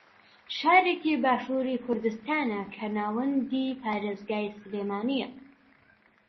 شارێکی باشووری کوردستانە کە ناوەندی پارێزگای سلێمانییە